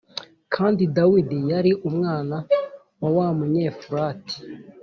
Kandi Dawidi yari umwana wa wa Munyefurati